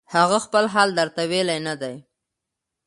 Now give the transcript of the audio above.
هغه خپل حال درته ویلی نه دی